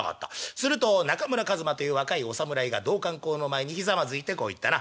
すると中村かずまという若いお侍が道灌公の前にひざまずいてこう言ったな。